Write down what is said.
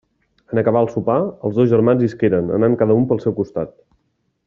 En acabar el sopar, els dos germans isqueren, anant cada un pel seu costat.